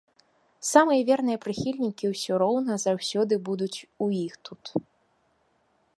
Самыя верныя прыхільнікі ўсё роўна заўсёды будуць у іх тут.